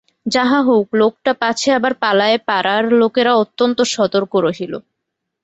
যাহা হউক, লোকটা পাছে আবার পালায় পাড়ার লোকেরা অত্যন্ত সতর্ক রহিল।